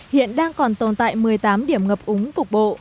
hiện đang còn tồn tại một mươi tám điểm ngập úng cục bộ